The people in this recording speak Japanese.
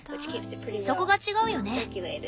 そこが違うよね。